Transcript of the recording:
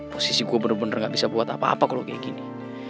posisi gue bener bener nggak bisa buat apa apa kalau kayak gini